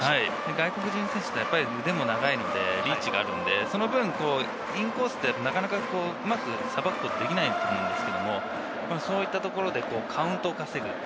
外国人選手は腕も長いのでリーチがあるので、その分、インコースって、なかなかうまくさばくことができないんですけど、そういったところでカウントを稼ぐ。